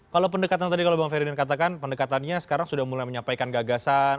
kalau pendekatan tadi kalau bang ferdinand katakan pendekatannya sekarang sudah mulai menyampaikan gagasan